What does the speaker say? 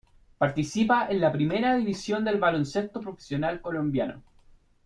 Participa en la primera división del Baloncesto Profesional Colombiano.